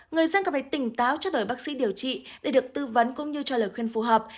người dân cần phải tỉnh táo cho đổi bác sĩ điều trị để được tư vấn cũng như cho lời khuyên phù hợp